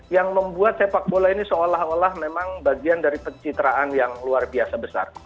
yang membuat sepak bola ini seolah olah memang bagian dari pencitraan yang luar biasa besar